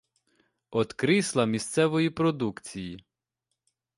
От крісла місцевої продукції.